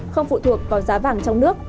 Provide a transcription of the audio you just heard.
không phụ thuộc vào giá vàng trong nước